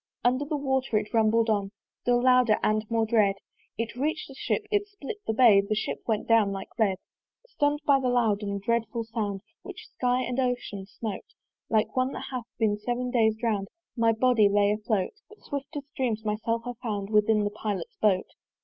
Under the water it rumbled on, Still louder and more dread: It reach'd the Ship, it split the bay; The Ship went down like lead. Stunn'd by that loud and dreadful sound, Which sky and ocean smote: Like one that hath been seven days drown'd My body lay afloat: But, swift as dreams, myself I found Within the Pilot's boat.